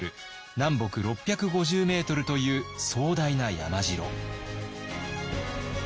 南北６５０メートルという壮大な山城。